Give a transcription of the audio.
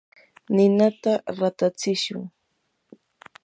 ninata ratatsishun.